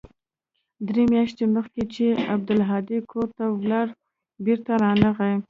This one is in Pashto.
درې مياشتې مخکې چې عبدالهادي کور ته ولاړ بېرته رانغى.